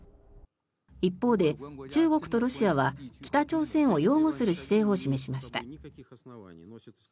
一方で中国とロシアは北朝鮮を擁護する姿勢を示しました。